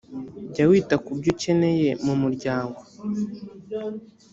jya wita ku byo ukeneye mu muryango